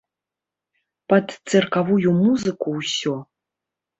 Пад цыркавую музыку ўсё.